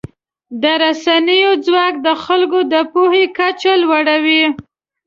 د رسنیو ځواک د خلکو د پوهې کچه لوړوي.